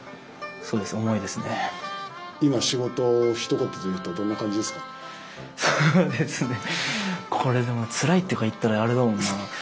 これでも「つらい」とか言ったらあれだもんな。